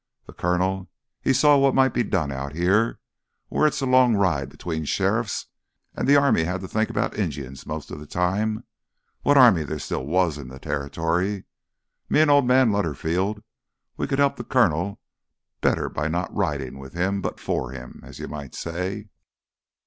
Th' Colonel, he saw what might be done out here where it's a long ride between sheriffs an' th' army hadda think 'bout Injuns most of th' time—what army there still was in th' territory. Me an' old man Lutterfield, we could help th' Colonel better not ridin' with him, but for him, as you might say."